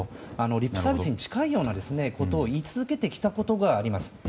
リップサービスに近いようなことを言い続けてきたことにあります。